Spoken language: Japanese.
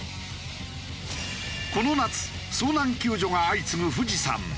この夏遭難救助が相次ぐ富士山。